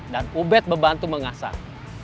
dan ubed membantu mengasah